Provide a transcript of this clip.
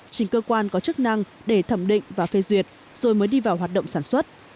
chính cơ quan có chức năng để thẩm định và phê duyệt rồi mới đi vào hoạt động sản xuất